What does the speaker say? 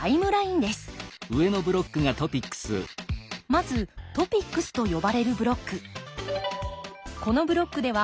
まずトピックスと呼ばれるブロック。